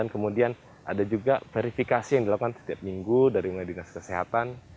kemudian ada juga verifikasi yang dilakukan setiap minggu dari mulai dinas kesehatan